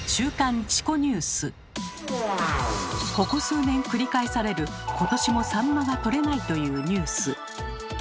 ここ数年繰り返される「今年もサンマが取れない」というニュース。